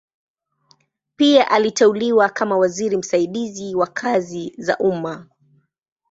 Pia aliteuliwa kama waziri msaidizi wa kazi za umma.